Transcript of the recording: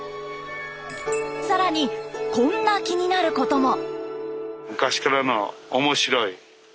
更にこんな気になることも。